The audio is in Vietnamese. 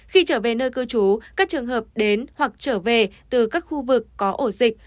khi trở về nơi cư trú các trường hợp đến hoặc trở về từ các khu vực có ổ dịch